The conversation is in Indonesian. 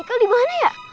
haikal dimana ya